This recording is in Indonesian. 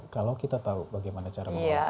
kalau kita tahu bagaimana cara membuang sampah